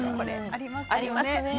ありますよね。